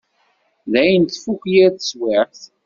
Dayen tfukk yir teswiεt.